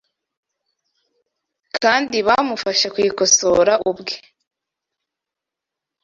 kandi bamufashe kwikosora ubwe